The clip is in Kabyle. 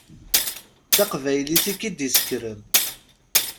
D taqbaylit i k-id-yessekren.